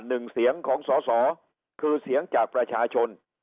หนึ่งเสียงของสอสอคือเสียงจากประชาชน